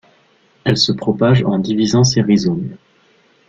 Elle se propage en divisant ses rhizomes.